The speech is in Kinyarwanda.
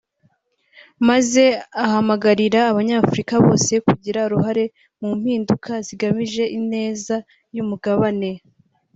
maze ahamagarira abanyafurika bose kugira uruhare mu mpinduka zigamije ineza y’umugabane